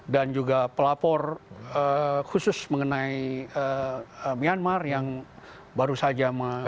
dan juga pelapor khusus mengenai myanmar yang baru saja menyampaikan